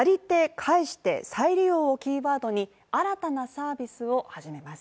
返して・再利用をキーワードに、新たなサービスを始めます。